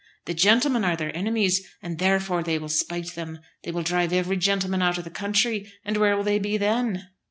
The gentlemen are their enemies, and therefore they will spite them. They will drive every gentleman out of the country, and where will they be then?"